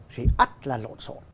thì ắt là lộn sộn